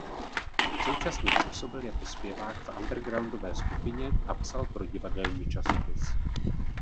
Současně působil jako zpěvák v undergroundové skupině a psal pro divadelní časopis.